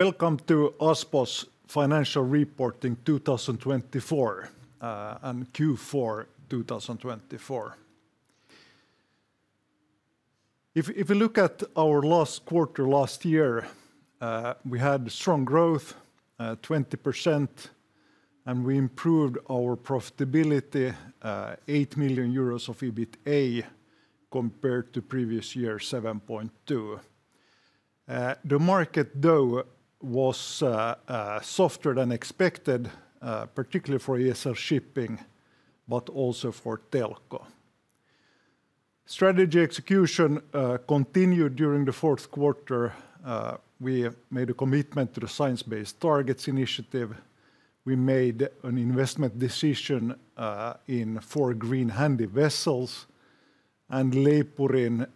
Welcome to Aspo's financial reporting 2024 and Q4 2024. If we look at our last quarter last year, we had strong growth, 20%, and we improved our profitability, 8 million euros of EBITA compared to previous year, seven point two. The market, though, was softer than expected, particularly for ESL Shipping, but also for Telko. Strategy execution continued during the fourth quarter. We made a commitment to the Science Based Targets Initiative. We made an investment decision for Green Handy vessels, and Leipurin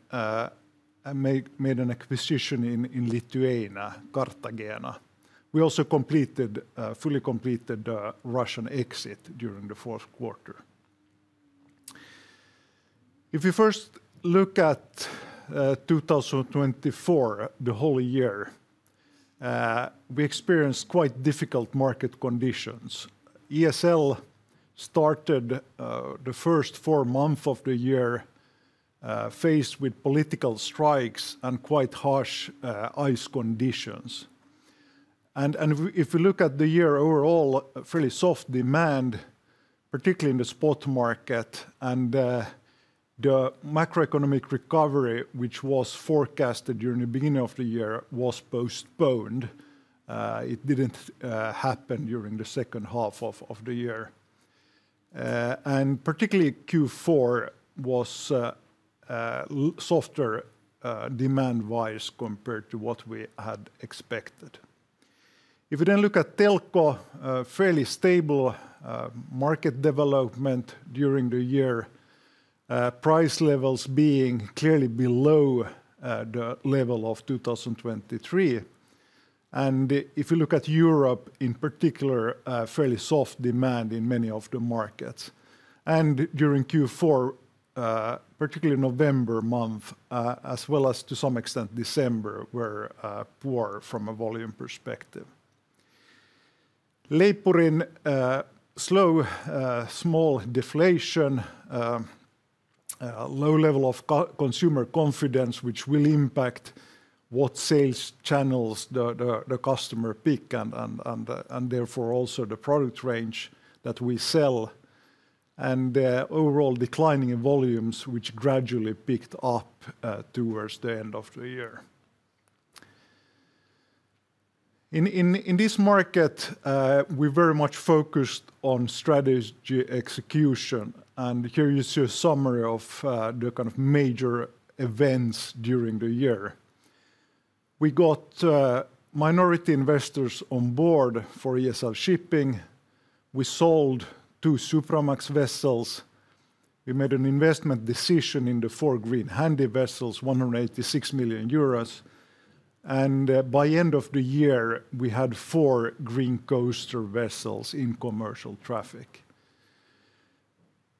made an acquisition in Lithuania, Cartagena. We also fully completed the Russian exit during the fourth quarter. If we first look at 2024, the whole year, we experienced quite difficult market conditions. ESL started the first four months of the year faced with political strikes and quite harsh ice conditions. If we look at the year overall, fairly soft demand, particularly in the spot market, and the macroeconomic recovery, which was forecasted during the beginning of the year, was postponed. It did not happen during the second half of the year. Particularly Q4 was softer demand-wise compared to what we had expected. If we then look at Telko, fairly stable market development during the year, price levels being clearly below the level of 2023. If we look at Europe in particular, fairly soft demand in many of the markets. During Q4, particularly November month, as well as to some extent December, were poor from a volume perspective. Leipurin, slow small deflation, low level of consumer confidence, which will impact what sales channels the customer pick and therefore also the product range that we sell, and the overall declining in volumes, which gradually picked up towards the end of the year. In this market, we very much focused on strategy execution, and here you see a summary of the kind of major events during the year. We got minority investors on board for ESL Shipping. We sold two Supramax vessels. We made an investment decision in the four Green Handy vessels, 186 million euros. By the end of the year, we had four Green Coaster vessels in commercial traffic.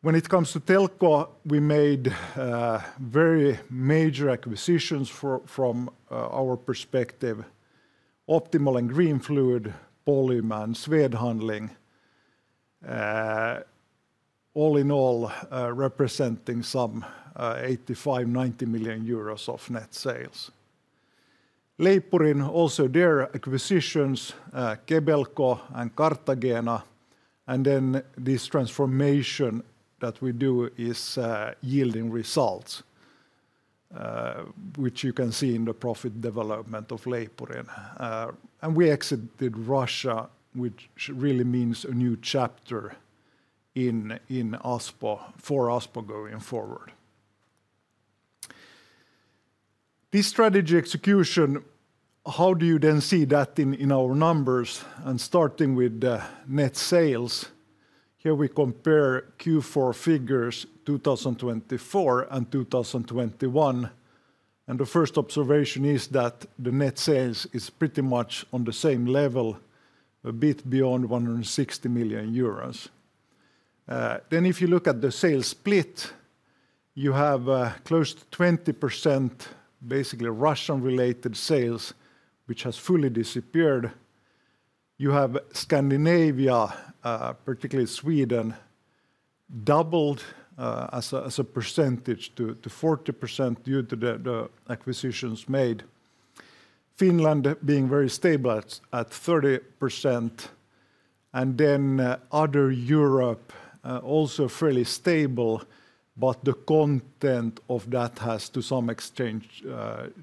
When it comes to Telko, we made very major acquisitions from our perspective, Optimal and Greenfluid, Polyma, Swed Handling, all in all representing some 85-90 million euros of net sales. Leipurin, also their acquisitions, Kebelco and Cartagena, and this transformation that we do is yielding result, which you can see in the profit development of Leipurin. We exited Russia, which really means a new chapter in Aspo for Aspo going forward. This strategy execution, how do you then see that in our numbers? Starting with the net sales, here we compare Q4 figures, 2024 and 2021, and the first observation is that the net sales is pretty much on the same level, a bit beyond 160 million euros. If you look at the sales split, you have close to 20% basically Russian-related sales, which has fully disappeared. You have Scandinavia, particularly Sweden, doubled as a percentage to 40% due to the acquisitions made. Finland being very stable at 30%, and other Europe also fairly stable, but the content of that has to some extent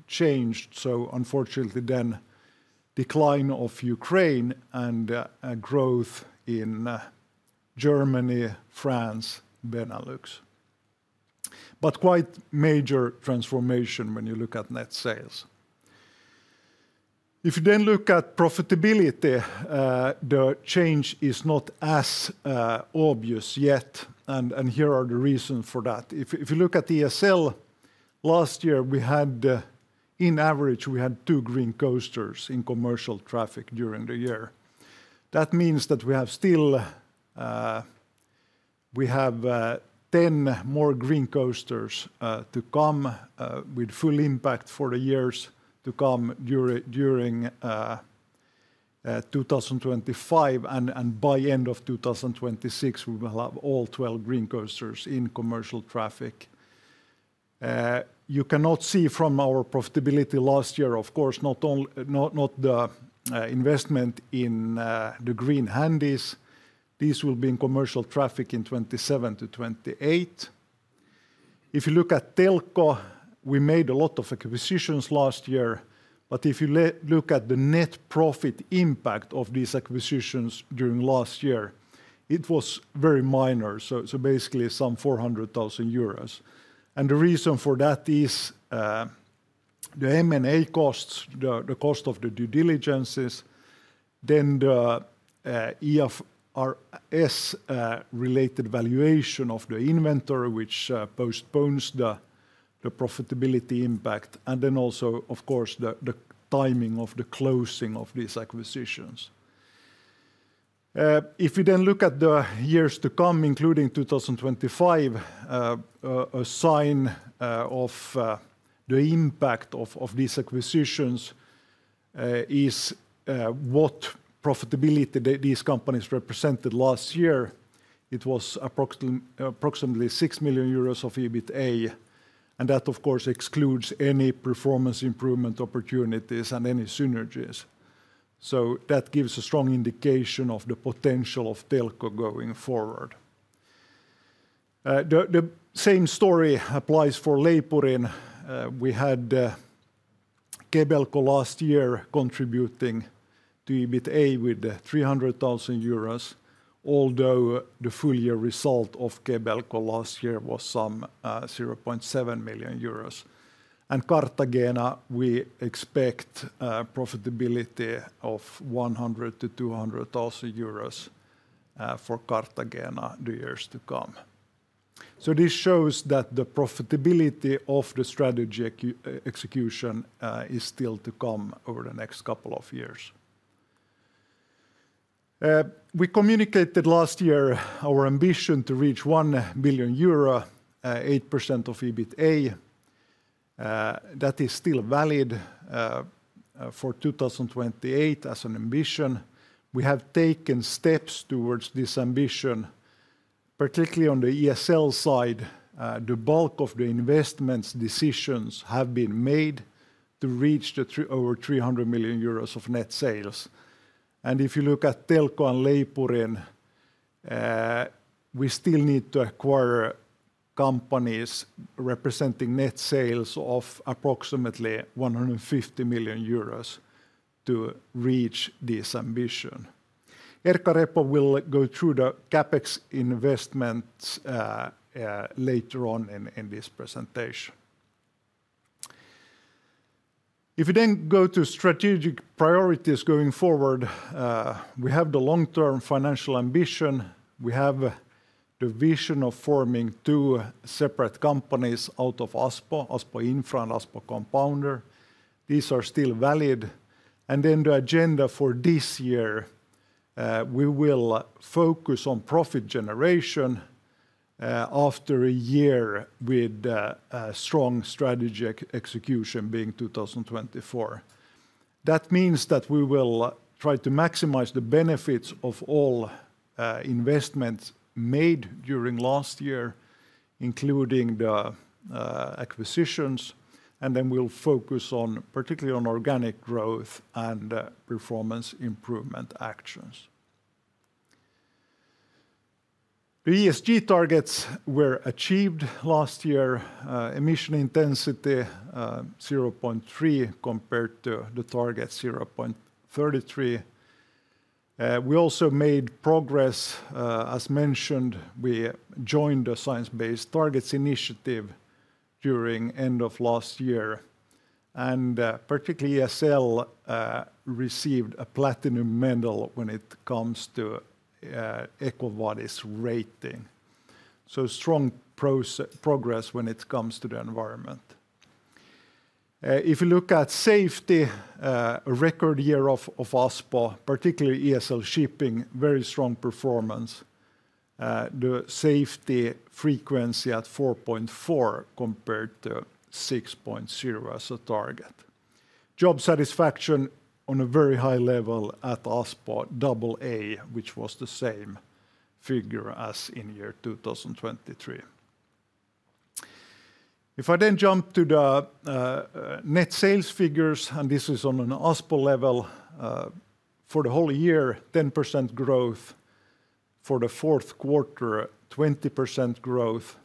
changed. Unfortunately, then decline of Ukraine and growth in Germany, France, Benelux. Quite major transformation when you look at net sales. If you then look at profitability, the change is not as obvious yet, and here are the reasons for that. If you look at ESL, last year we had, in average, we had two Green Coasters in commercial traffic during the year. That means that we have still, we have 10 more Green Coasters to come with full impact for the years to come during 2025, and by end of 2026, we will have all 12 Green Coasters in commercial traffic. You cannot see from our profitability last year, of course, not the investment in the green handies. These will be in commercial traffic in 2027 to 2028. If you look at Telko, we made a lot of acquisitions last year, but if you look at the net profit impact of these acquisitions during last year, it was very minor, so basically some 400,000 euros. The reason for that is the M&A costs, the cost of the due diligences, then the IFRS-related valuation of the inventory, which postpones the profitability impact, and then also, of course, the timing of the closing of these acquisitions. If we then look at the years to come, including 2025, a sign of the impact of these acquisitions is what profitability these companies represented last year. It was approximately 6 million euros of EBITA, and that, of course, excludes any performance improvement opportunities and any synergies. That gives a strong indication of the potential of Telko going forward. The same story applies for Leipurin. We had Kebelco last year contributing to EBITA with 300,000 euros, although the full year result of Kebelco last year was some 700,000 euros. Cartagena, we expect profitability of 100,000-200,000 euros for Cartagena the years to come. This shows that the profitability of the strategy execution is still to come over the next couple of years. We communicated last year our ambition to reach 1 billion euro, 8% of EBITA. That is still valid for 2028 as an ambition. We have taken steps towards this ambition, particularly on the ESL side. The bulk of the investment decisions have been made to reach over 300 million euros of net sales. If you look at Telko and Leipurin, we still need to acquire companies representing net sales of approximately 150 million euros to reach this ambition. Erkka Repo will go through the CapEx investments later on in this presentation. If we then go to strategic priorities going forward, we have the long-term financial ambition. We have the vision of forming two separate companies out of Aspo, Aspo Infra and Aspo Compounder. These are still valid. The agenda for this year, we will focus on profit generation after a year with strong strategy execution being 2024. That means that we will try to maximize the benefits of all investments made during last year, including the acquisitions, and then we'll focus particularly on organic growth and performance improvement actions. The ESG targets were achieved last year. Emission intensity 0.3 compared to the target 0.33. We also made progress, as mentioned, we joined the Science Based Targets Initiative during the end of last year, and particularly ESL received a platinum medal when it comes to EcoVadis rating. Strong progress when it comes to the environment. If you look at safety, record year of Aspo, particularly ESL Shipping, very strong performance. The safety frequency at 4.4 compared to 6.0 as a target. Job satisfaction on a very high level at Aspo AA, which was the same figure as in year 2023. If I then jump to the net sales figures, and this is on an Aspo level for the whole year, 10% growth for the fourth quarter, 20% growth.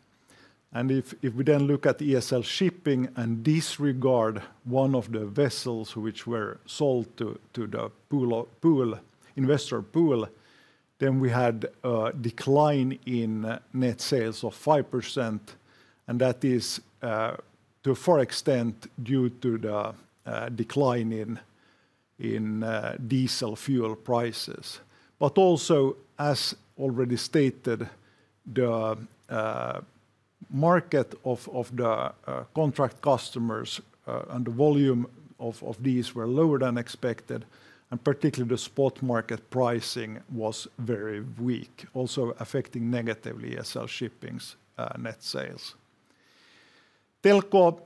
If we then look at ESL Shipping and disregard one of the vessels which were sold to the investor pool, then we had a decline in net sales of 5%, and that is to a far extent due to the decline in diesel fuel prices. Also, as already stated, the market of the contract customers and the volume of these were lower than expected, and particularly the spot market pricing was very weak, also affecting negatively ESL Shipping's net sales. Telko,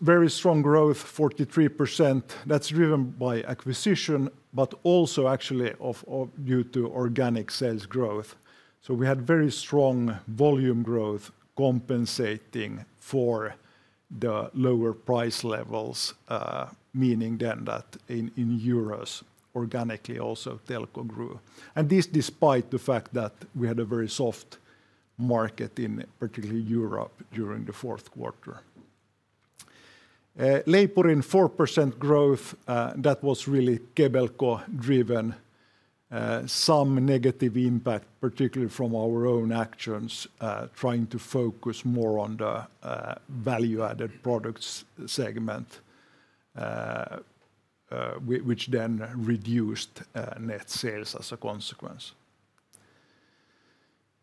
very strong growth, 43%. That's driven by acquisition, but also actually due to organic sales growth. We had very strong volume growth compensating for the lower price levels, meaning then that in EUR organically also Telko grew. This despite the fact that we had a very soft market in particularly Europe during the fourth quarter. Leipurin, 4% growth, that was really Kebelco driven. Some negative impact, particularly from our own actions, trying to focus more on the value-added products segment, which then reduced net sales as a consequence.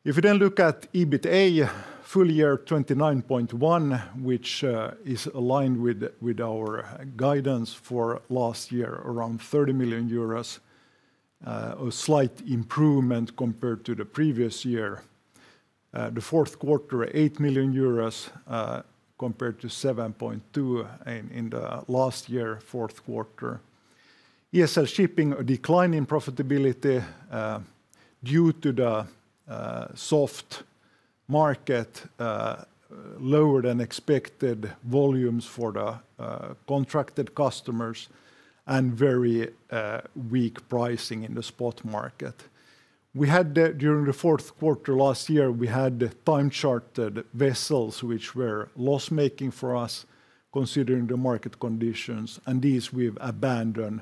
If we then look at EBITA, full year 29.1 million, which is aligned with our guidance for last year, around 30 million euros, a slight improvement compared to the previous year. The fourth quarter, 8 million euros, compared to 7.2 million in the last year fourth quarter. ESL Shipping, a decline in profitability due to the soft market, lower than expected volumes for the contracted customers, and very weak pricing in the spot market. We had during the fourth quarter last year, we had time-chartered vessels, which were loss-making for us considering the market conditions, and these we have abandoned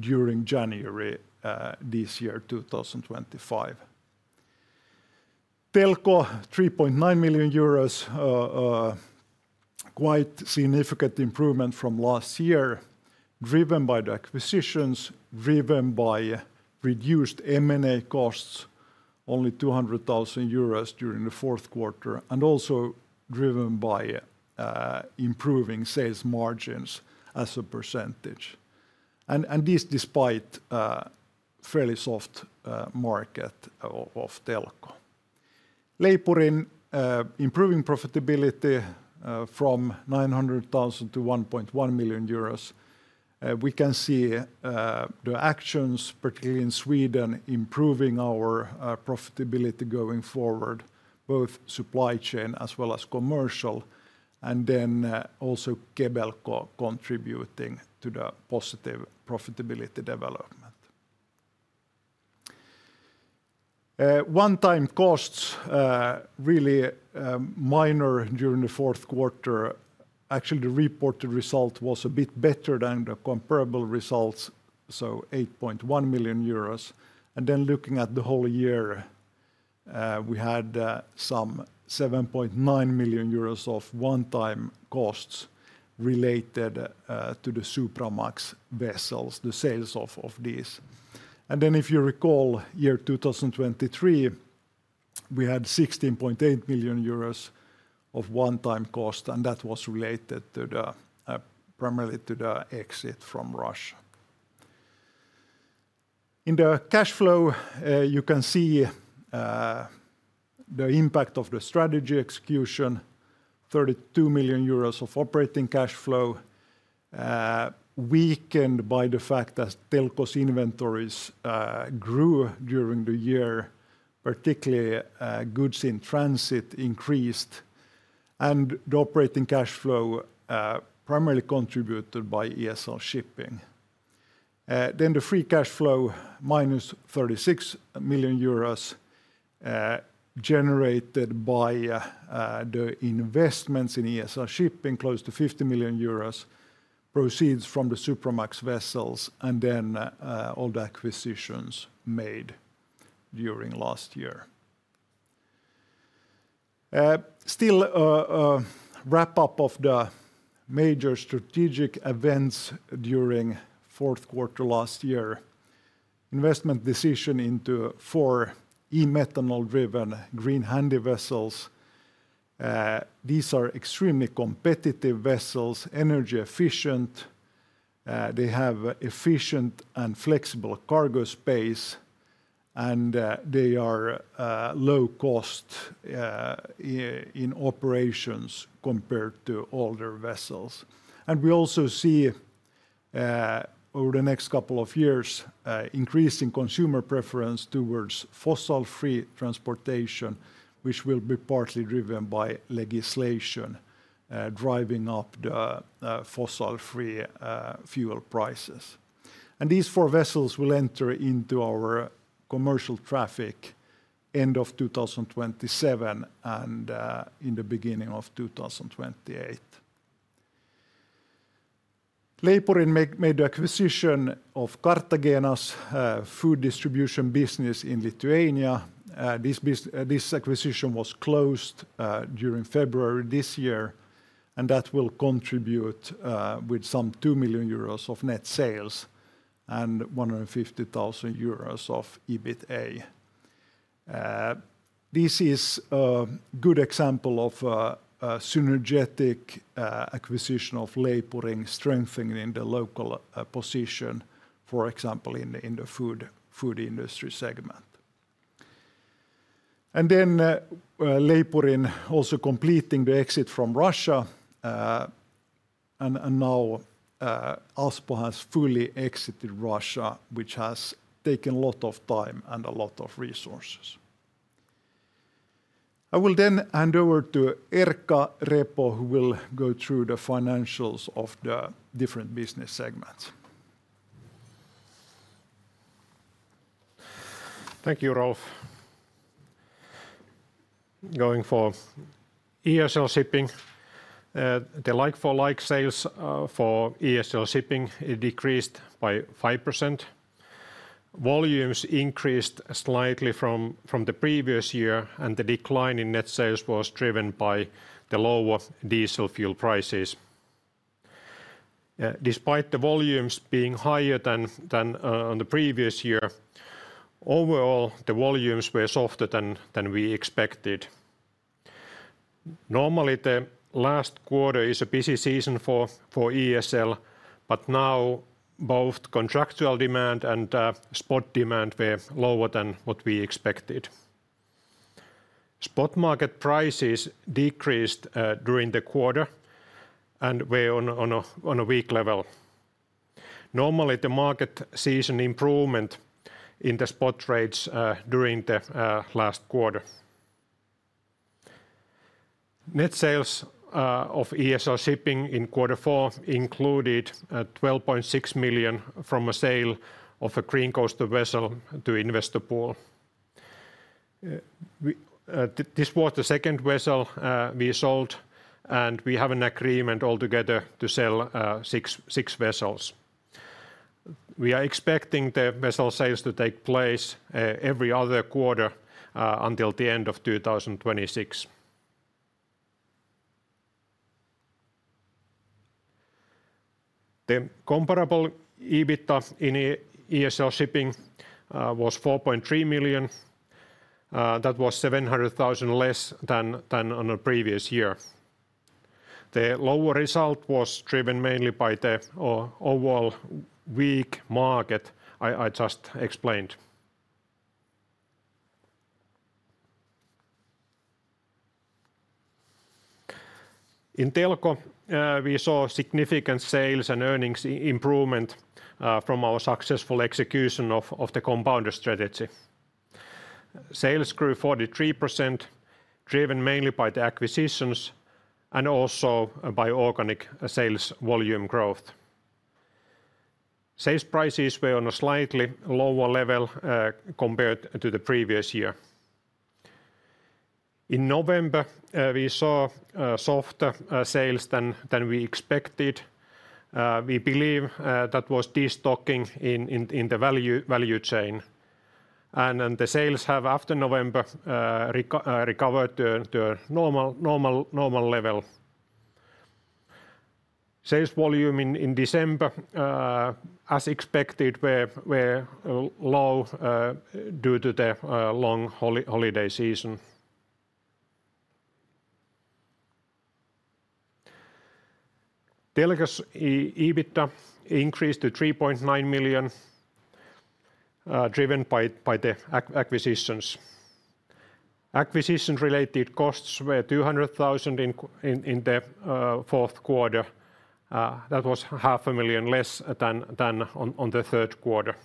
during January this year, 2025. Telko, 3.9 million euros, quite significant improvement from last year, driven by the acquisitions, driven by reduced M&A costs, only 200,000 euros during the fourth quarter, and also driven by improving sales margins as a percentage. This despite a fairly soft market of Telko. Leipurin, improving profitability from 900,000 to 1.1 million euros. We can see the actions, particularly in Sweden, improving our profitability going forward, both supply chain as well as commercial, and then also Kebelco contributing to the positive profitability development. One-time costs, really minor during the fourth quarter. Actually, the reported result was a bit better than the comparable results, so 8.1 million euros. Looking at the whole year, we had some 7.9 million euros of one-time costs related to the Supramax vessels, the sales of these. If you recall, year 2023, we had 16.8 million euros of one-time cost, and that was related primarily to the exit from Russia. In the cash flow, you can see the impact of the strategy execution, 32 million euros of operating cash flow, weakened by the fact that Telko's inventories grew during the year, particularly goods in transit increased, and the operating cash flow primarily contributed by ESL Shipping. The free cash flow, minus 36 million euros, generated by the investments in ESL Shipping, close to 50 million euros, proceeds from the Supramax vessels, and all the acquisitions made during last year. Still, wrap up of the major strategic events during fourth quarter last year. Investment decision into four e-methanol-driven green handy vessels. These are extremely competitive vessels, energy efficient. They have efficient and flexible cargo space, and they are low cost in operations compared to older vessels. We also see over the next couple of years increasing consumer preference towards fossil-free transportation, which will be partly driven by legislation driving up the fossil-free fuel prices. These four vessels will enter into our commercial traffic end of 2027 and in the beginning of 2028. Leipurin made the acquisition of Cartagena's food distribution business in Lithuania. This acquisition was closed during February this year, and that will contribute with some 2 million euros of net sales and 150,000 euros of EBITA. This is a good example of a synergetic acquisition of Leipurin strengthening the local position, for example, in the food industry segment. Leipurin also completed the exit from Russia. Aspo has fully exited Russia, which has taken a lot of time and a lot of resources. I will then hand over to Erkka Repo, who will go through the financials of the different business segments. Thank you, Rolf. Going for ESL Shipping, the like-for-like sales for ESL Shipping decreased by 5%. Volumes increased slightly from the previous year, and the decline in net sales was driven by the lower diesel fuel prices. Despite the volumes being higher than on the previous year, overall the volumes were softer than we expected. Normally, the last quarter is a busy season for ESL, but now both contractual demand and spot demand were lower than what we expected. Spot market prices decreased during the quarter and were on a weak level. Normally, the market sees an improvement in the spot rates during the last quarter. Net sales of ESL Shipping in quarter four included 12.6 million from a sale of a Green Coaster vessel to Investor Pool. This was the second vessel we sold, and we have an agreement altogether to sell six vessels. We are expecting the vessel sales to take place every other quarter until the end of 2026. The comparable EBITDA in ESL Shipping was 4.3 million. That was 700,000 less than on the previous year. The lower result was driven mainly by the overall weak market I just explained. In Telko, we saw significant sales and earnings improvement from our successful execution of the compounder strategy. Sales grew 43%, driven mainly by the acquisitions and also by organic sales volume growth. Sales prices were on a slightly lower level compared to the previous year. In November, we saw softer sales than we expected. We believe that was destocking in the value chain. The sales have after November recovered to a normal level. Sales volume in December, as expected, were low due to the long holiday season. Telko's EBITDA increased to 3.9 million, driven by the acquisitions. Acquisition-related costs were 200,000 in the fourth quarter. That was 500,000 less than in the third quarter.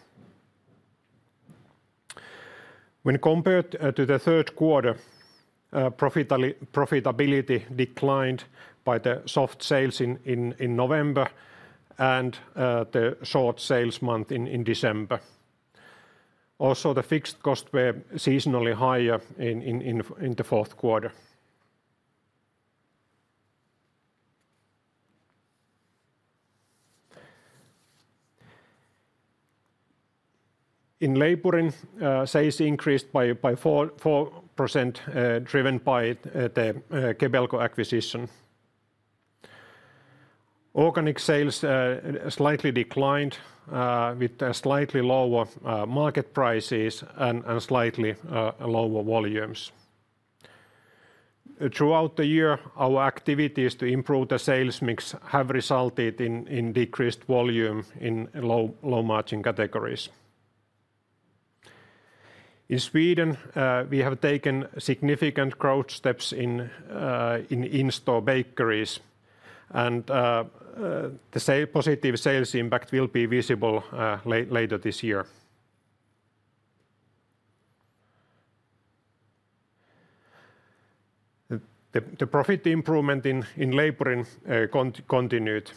When compared to the third quarter, profitability declined by the soft sales in November and the short sales month in December. Also, the fixed costs were seasonally higher in the fourth quarter. In Leipurin, sales increased by 4%, driven by the Kebelco acquisition. Organic sales slightly declined with slightly lower market prices and slightly lower volumes. Throughout the year, our activities to improve the sales mix have resulted in decreased volume in low-margin categories. In Sweden, we have taken significant growth steps in in-store bakeries, and the positive sales impact will be visible later this year. The profit improvement in Leipurin continued.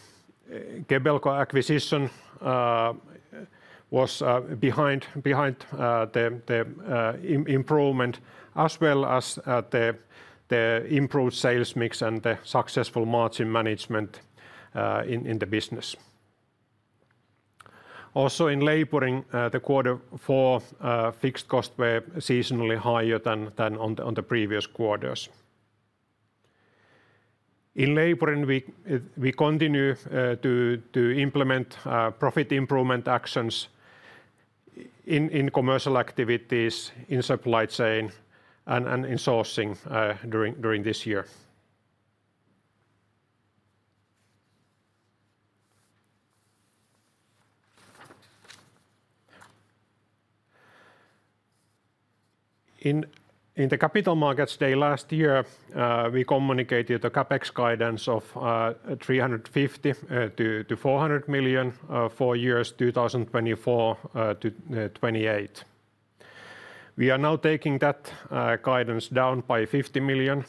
Kebelco acquisition was behind the improvement, as well as the improved sales mix and the successful margin management in the business. Also, in Leipurin, the quarter four fixed costs were seasonally higher than on the previous quarters. In Leipurin, we continue to implement profit improvement actions in commercial activities, in supply chain, and in sourcing during this year. In the capital markets day last year, we communicated a CapEx guidance of 350 million-400 million for years 2024-2028. We are now taking that guidance down by 50 million.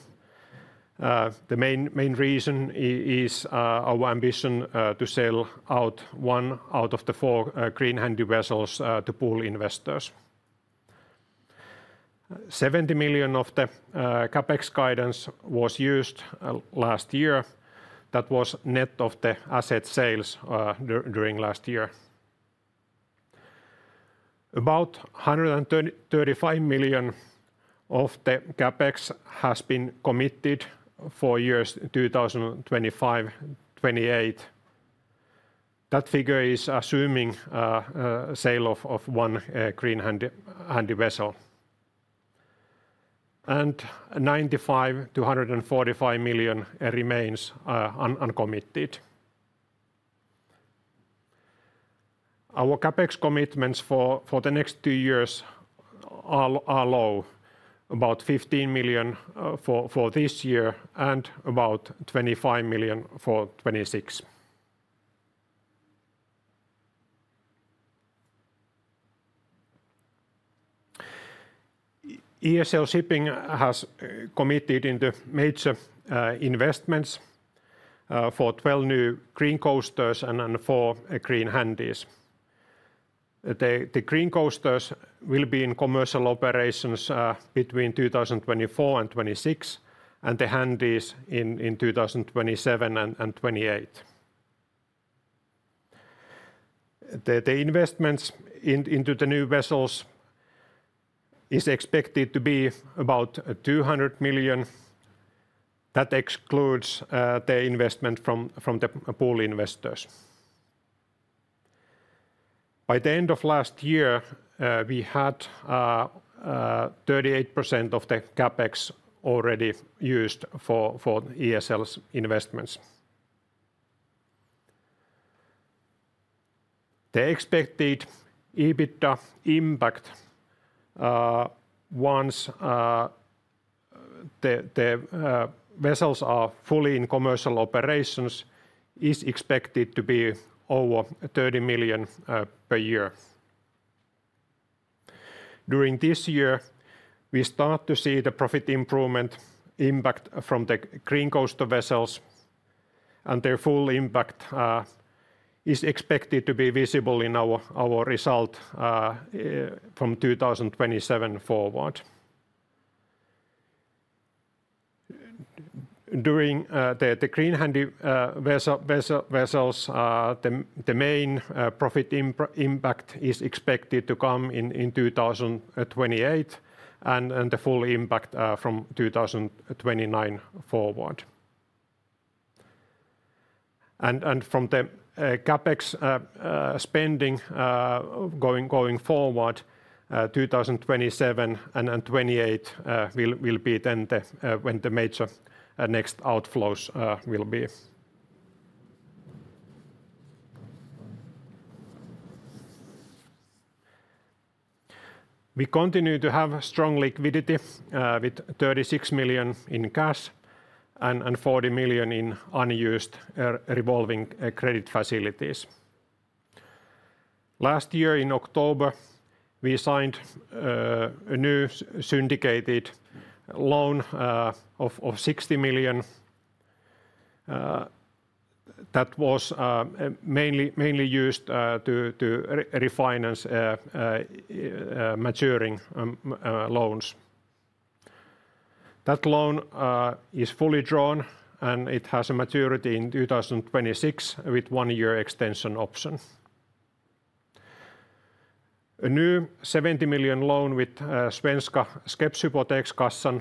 The main reason is our ambition to sell out one out of the four green handy vessels to pool investors. 70 million of the CapEx guidance was used last year. That was net of the asset sales during last year. About 135 million of the CapEx has been committed for years 2025-2028. That figure is assuming sale of one green handy vessel. 95 million-145 million remains uncommitted. Our CapEx commitments for the next two years are low, about 15 million for this year and about 25 million for 2026. ESL Shipping has committed into major investments for 12 new Green Coasters and four green handies. The Green Coasters will be in commercial operations between 2024 and 2026, and the handies in 2027 and 2028. The investments into the new vessels are expected to be about 200 million. That excludes the investment from the pool investors. By the end of last year, we had 38% of the CapEx already used for ESL investments. The expected EBITDA impact once the vessels are fully in commercial operations is expected to be over 30 million per year. During this year, we start to see the profit improvement impact from the Green Coaster vessels, and their full impact is expected to be visible in our result from 2027 forward. During the green handy vessels, the main profit impact is expected to come in 2028 and the full impact from 2029 forward. From the CapEx spending going forward, 2027 and 2028 will be when the major next outflows will be. We continue to have strong liquidity with 36 million in cash and 40 million in unused revolving credit facilities. Last year, in October, we signed a new syndicated loan of 60 million. That was mainly used to refinance maturing loans. That loan is fully drawn, and it has a maturity in 2026 with one-year extension option. A new 70 million loan with Svenska Skeppshypotekskassan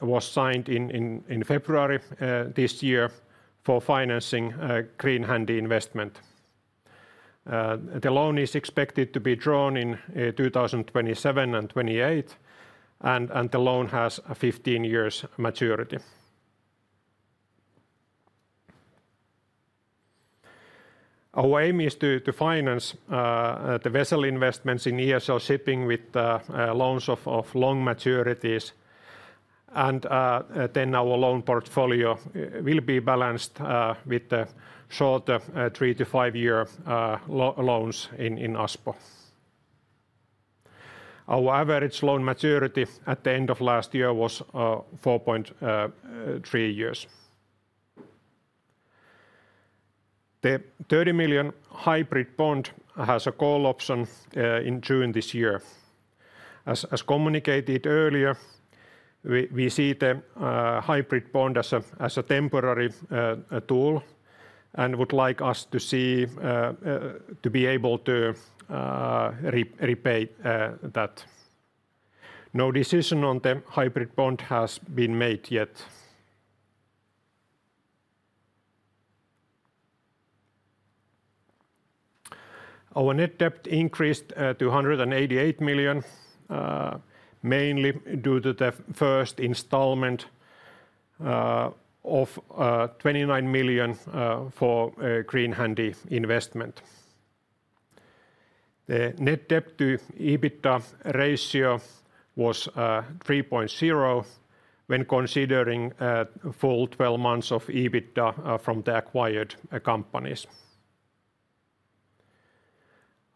was signed in February this year for financing green handy investment. The loan is expected to be drawn in 2027 and 2028, and the loan has 15 years maturity. Our aim is to finance the vessel investments in ESL Shipping with loans of long maturities, and then our loan portfolio will be balanced with the shorter three- to five-year loans in Aspo. Our average loan maturity at the end of last year was 4.3 years. The 30 million hybrid bond has a call option in June this year. As communicated earlier, we see the hybrid bond as a temporary tool and would like us to be able to repay that. No decision on the hybrid bond has been made yet. Our net debt increased to 188 million, mainly due to the first installment of 29 million for green handy investment. The net debt to EBITDA ratio was 3.0 when considering full 12 months of EBITDA from the acquired companies.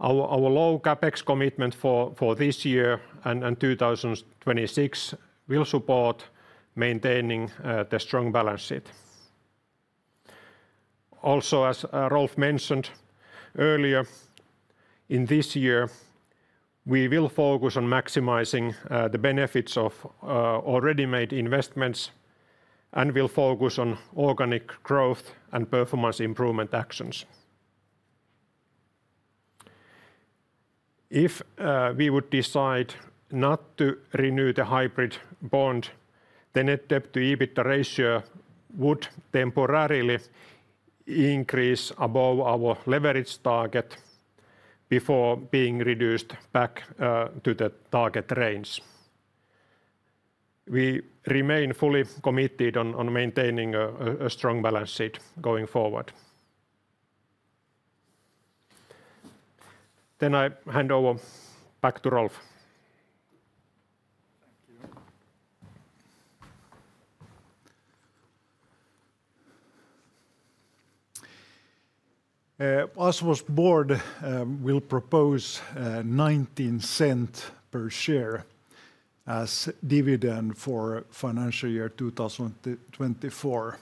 Our low CapEx commitment for this year and 2026 will support maintaining the strong balance sheet. Also, as Rolf mentioned earlier, in this year, we will focus on maximizing the benefits of already made investments and will focus on organic growth and performance improvement actions. If we would decide not to renew the hybrid bond, the net debt to EBITDA ratio would temporarily increase above our leverage target before being reduced back to the target range. We remain fully committed on maintaining a strong balance sheet going forward. I hand over back to Rolf. As was borrowed, we will propose 0.19 per share as dividend for financial year 2024.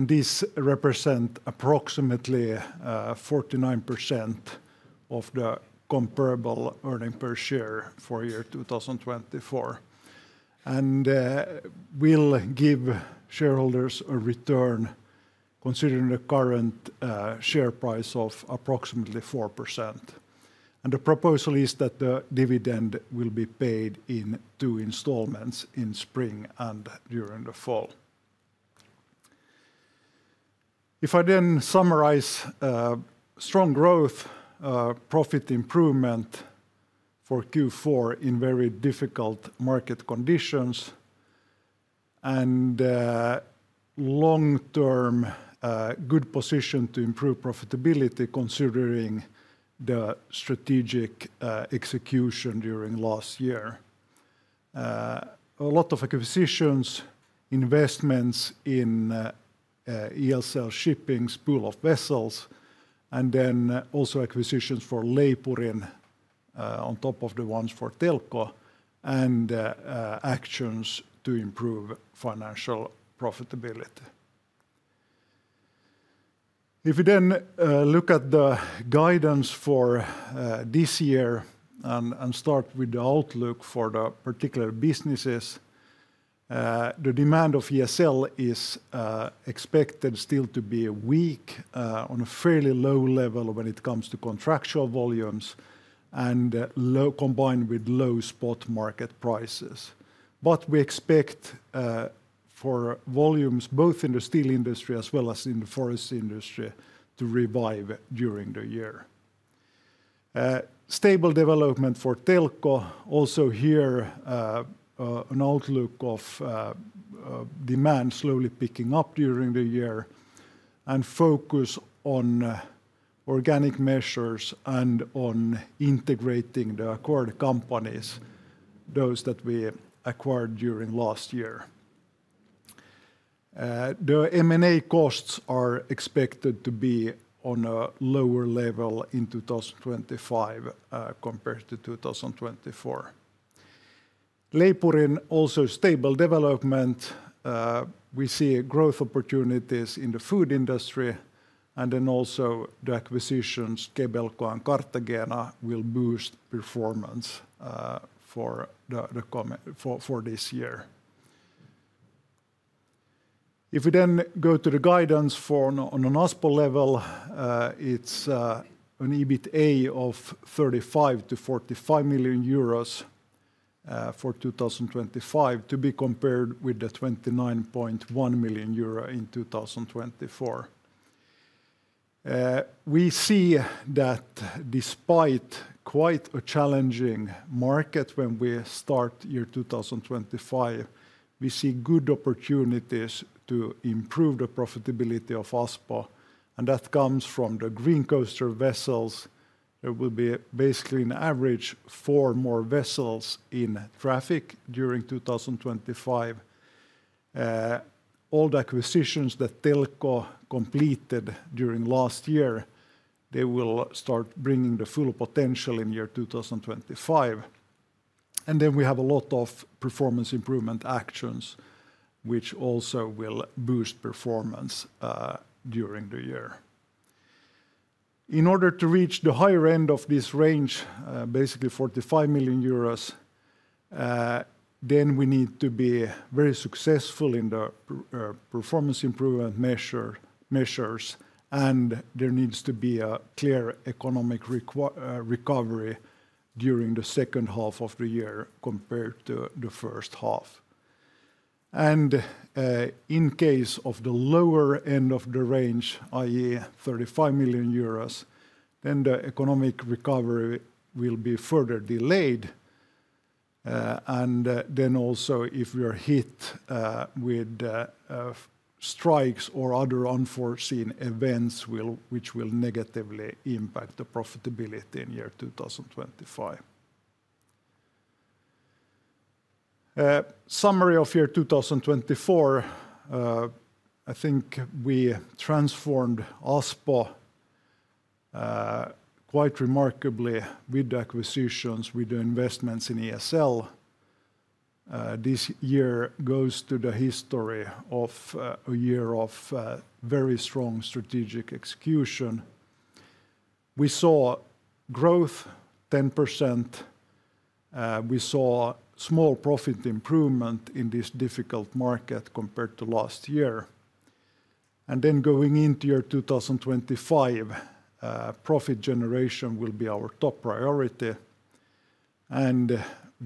This represents approximately 49% of the comparable earnings per share for year 2024. We will give shareholders a return considering the current share price of approximately 4%. The proposal is that the dividend will be paid in two installments in spring and during the fall. If I then summarize strong growth, profit improvement for Q4 in very difficult market conditions, and long-term good position to improve profitability considering the strategic execution during last year. A lot of acquisitions, investments in ESL Shipping's pool of vessels, and then also acquisitions for Leipurin on top of the ones for Telko, and actions to improve financial profitability. If we then look at the guidance for this year and start with the outlook for the particular businesses, the demand of ESL is expected still to be weak on a fairly low level when it comes to contractual volumes and combined with low spot market prices. We expect for volumes both in the steel industry as well as in the forest industry to revive during the year. Stable development for Telko, also here an outlook of demand slowly picking up during the year and focus on organic measures and on integrating the acquired companies, those that we acquired during last year. The M&A costs are expected to be on a lower level in 2025 compared to 2024. Leipurin also stable development, we see growth opportunities in the food industry and then also the acquisitions. Kebelco and Kartagena will boost performance for this year. If we then go to the guidance for on an Aspo level, it's an EBITA of 35 million-45 million euros for 2025 to be compared with the 29.1 million euro in 2024. We see that despite quite a challenging market when we start year 2025, we see good opportunities to improve the profitability of Aspo. That comes from the Green Coaster vessels. There will be basically an average four more vessels in traffic during 2025. All the acquisitions that Telko completed during last year, they will start bringing the full potential in year 2025. Then we have a lot of performance improvement actions, which also will boost performance during the year. In order to reach the higher end of this range, basically 45 million euros, we need to be very successful in the performance improvement measures, and there needs to be a clear economic recovery during the second half of the year compared to the first half. In case of the lower end of the range, i.e., 35 million euros, the economic recovery will be further delayed. Also, if we are hit with strikes or other unforeseen events which will negatively impact the profitability in year 2025. Summary of year 2024, I think we transformed Aspo quite remarkably with the acquisitions, with the investments in ESL. This year goes to the history of a year of very strong strategic execution. We saw growth, 10%. We saw small profit improvement in this difficult market compared to last year. Going into year 2025, profit generation will be our top priority.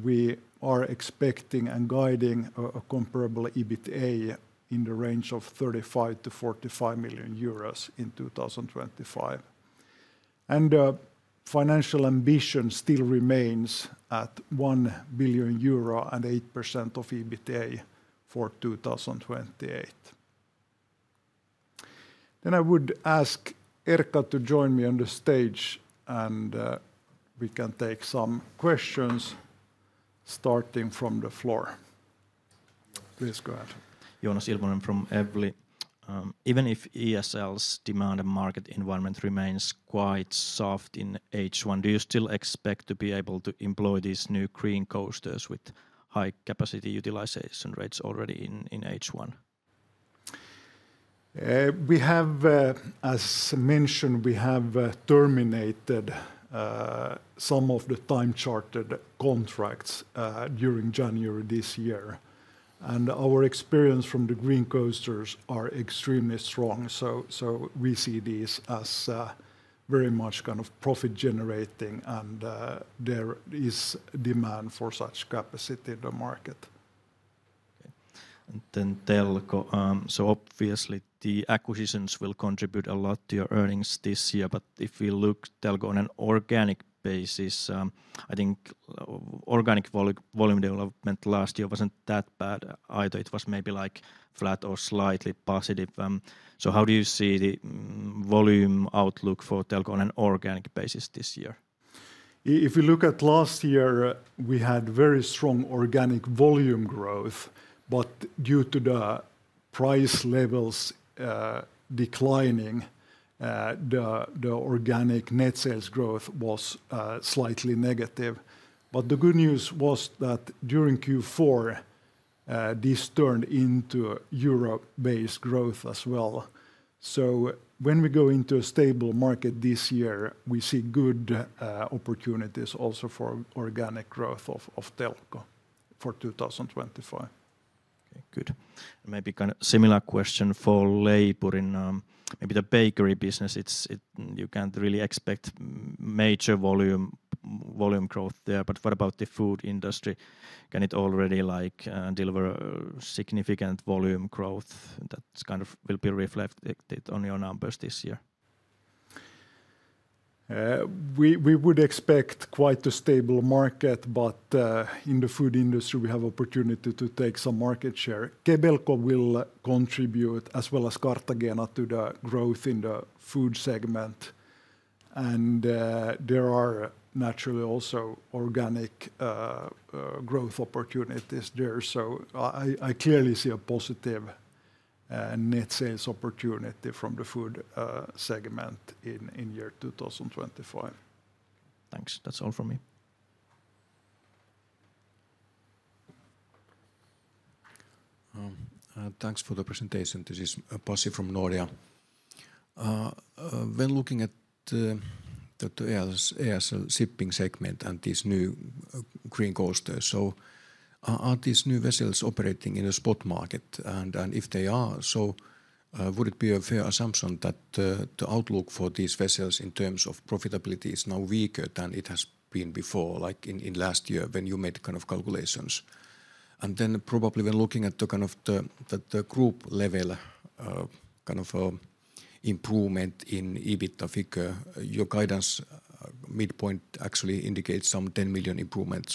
We are expecting and guiding a comparable EBITA in the range of 35 million-45 million euros in 2025. The financial ambition still remains at 1 billion euro and 8% of EBITA for 2028. I would ask Erkka to join me on the stage and we can take some questions starting from the floor. Please go ahead. Joonas Ilvonen from Evli. Even if ESL's demand and market environment remains quite soft in H1, do you still expect to be able to employ these new Green Coasters with high capacity utilization rates already in H1? We have, as mentioned, terminated some of the time-chartered contracts during January this year. Our experience from the Green Coasters is extremely strong. We see these as very much kind of profit-generating and there is demand for such capacity in the market. Telko, obviously the acquisitions will contribute a lot to your earnings this year. If we look at Telko on an organic basis, I think organic volume development last year was not that bad. It was maybe like flat or slightly positive. How do you see the volume outlook for Telko on an organic basis this year? If we look at last year, we had very strong organic volume growth. Due to the price levels declining, the organic net sales growth was slightly negative. The good news was that during Q4, this turned into EUR-based growth as well. When we go into a stable market this year, we see good opportunities also for organic growth of Telko for 2025. Okay, good. Maybe kind of similar question for Leipurin. Maybe the bakery business, you can't really expect major volume growth there. What about the food industry? Can it already deliver significant volume growth? That kind of will be reflected on your numbers this year. We would expect quite a stable market, but in the food industry, we have opportunity to take some market share. Kebelco will contribute as well as Cartagena to the growth in the food segment. There are naturally also organic growth opportunities there. I clearly see a positive net sales opportunity from the food segment in year 2025. Thanks. That's all from me. Thanks for the presentation. This is Pasi from Nordea. When looking at the ESL Shipping segment and these new Green Coasters, are these new vessels operating in a spot market? If they are, would it be a fair assumption that the outlook for these vessels in terms of profitability is now weaker than it has been before, like in last year when you made kind of calculations? When looking at the group level kind of improvement in EBITDA figure, your guidance midpoint actually indicates some 10 million improvement.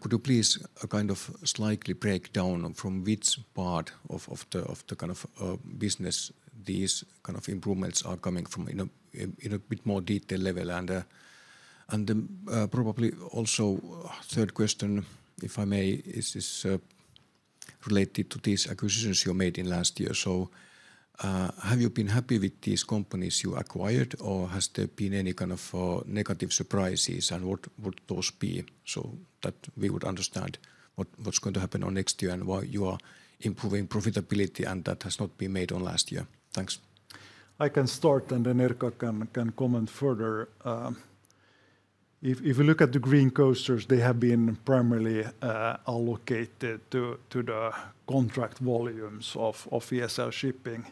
Could you please kind of slightly break down from which part of the kind of business these kind of improvements are coming from in a bit more detailed level? Probably also third question, if I may, is this related to these acquisitions you made in last year? Have you been happy with these companies you acquired, or has there been any kind of negative surprises, and what would those be so that we would understand what's going to happen on next year and why you are improving profitability and that has not been made on last year? Thanks. I can start, and then Erkka can comment further. If we look at the Green Coasters, they have been primarily allocated to the contract volumes of ESL Shipping.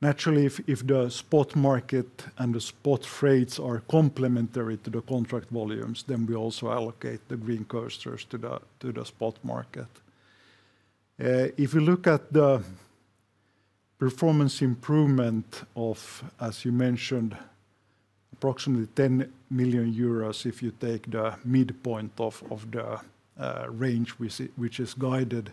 Naturally, if the spot market and the spot rates are complementary to the contract volumes, then we also allocate the Green Coasters to the spot market. If we look at the performance improvement of, as you mentioned, approximately 10 million euros, if you take the midpoint of the range which is guided,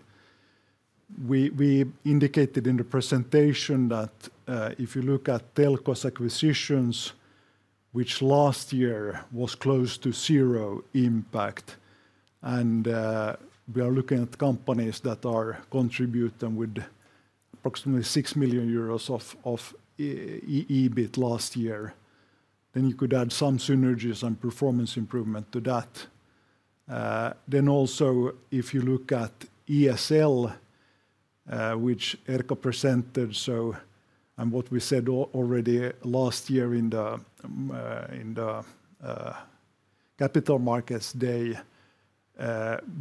we indicated in the presentation that if you look at Telko's acquisitions, which last year was close to zero impact, and we are looking at companies that are contributing with approximately 6 million euros of EBIT last year, then you could add some synergies and performance improvement to that. Also, if you look at ESL, which Erkka presented, and what we said already last year in the capital markets day,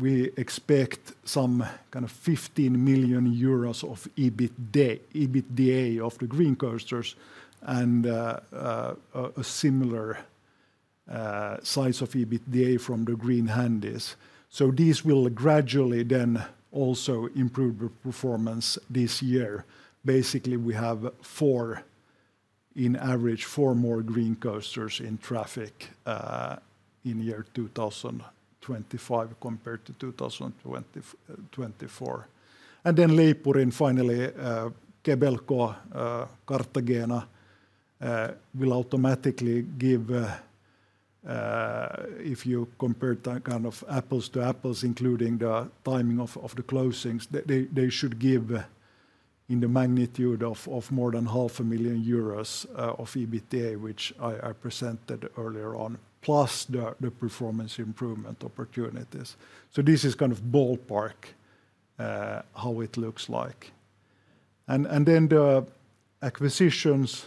we expect some kind of 15 million euros of EBITDA of the Green Coasters and a similar size of EBITDA from the green handies. These will gradually then also improve the performance this year. Basically, we have, in average, four more Green Coasters in traffic in year 2025 compared to 2024. Leipurin, finally, Kebelco, Kartagena, will automatically give, if you compare kind of apples to apples, including the timing of the closings, they should give in the magnitude of more than 500,000 euros of EBITDA, which I presented earlier on, plus the performance improvement opportunities. This is kind of ballpark how it looks like. The acquisitions,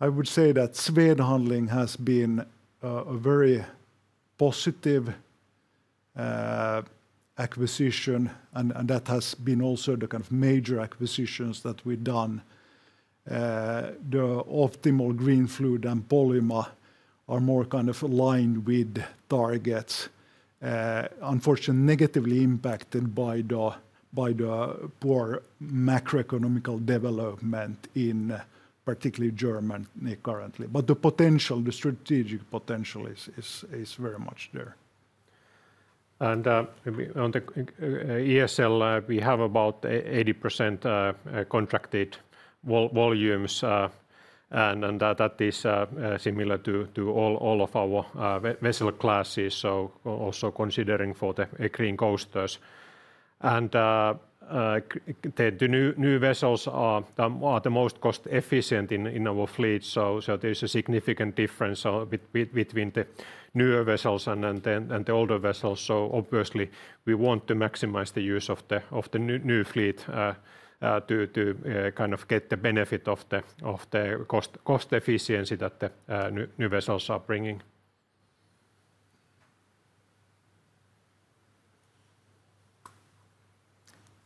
I would say that Swed Handling has been a very positive acquisition, and that has been also the kind of major acquisitions that we've done. The Optimal, Greenfluid, and Polyma are more kind of aligned with targets, unfortunately negatively impacted by the poor macroeconomical development in particularly Germany currently. The potential, the strategic potential is very much there. On the ESL, we have about 80% contracted volumes, and that is similar to all of our vessel classes, also considering for the Green Coasters. The new vessels are the most cost-efficient in our fleet, so there is a significant difference between the newer vessels and the older vessels. Obviously, we want to maximize the use of the new fleet to get the benefit of the cost efficiency that the new vessels are bringing.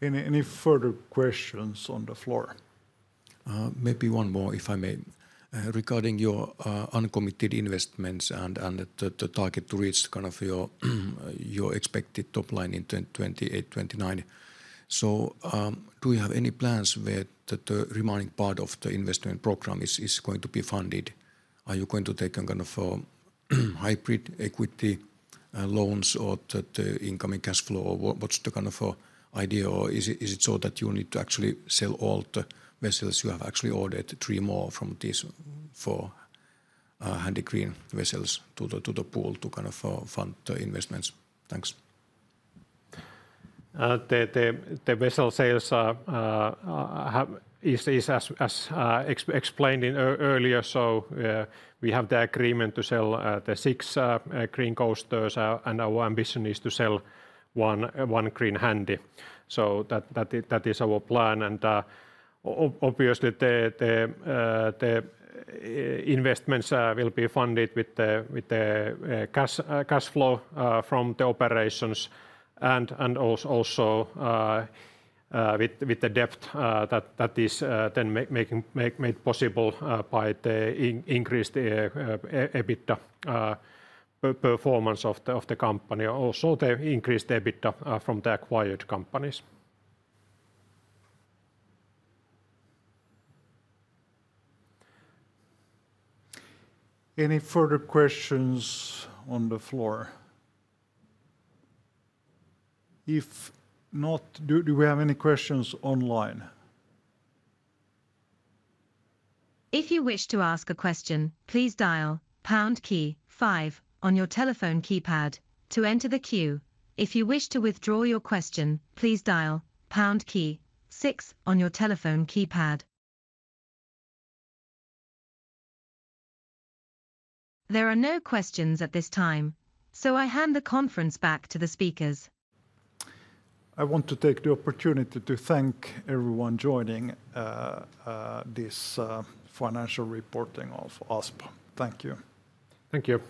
Any further questions on the floor? Maybe one more, if I may, regarding your uncommitted investments and the target to reach your expected top line in 2028-2029. Do you have any plans where the remaining part of the investment program is going to be funded? Are you going to take hybrid equity loans or the incoming cash flow? What is the idea? Is it so that you need to actually sell all the vessels you have actually ordered, three more from these four green handy vessels to the pool to kind of fund the investments? Thanks. The vessel sales is, as explained earlier, we have the agreement to sell the six Green Coasters, and our ambition is to sell one green handy. That is our plan. Obviously, the investments will be funded with the cash flow from the operations and also with the debt that is then made possible by the increased EBITDA performance of the company. Also, the increased EBITDA from the acquired companies. Any further questions on the floor? If not, do we have any questions online? If you wish to ask a question, please dial pound key five on your telephone keypad to enter the queue. If you wish to withdraw your question, please dial pound key six on your telephone keypad. There are no questions at this time, so I hand the conference back to the speakers. I want to take the opportunity to thank everyone joining this financial reporting of Aspo. Thank you. Thank you.